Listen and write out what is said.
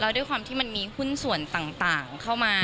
ด้วยความที่มันมีหุ้นส่วนต่างเข้ามา